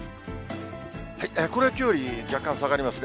これはきょうより若干下がりますね。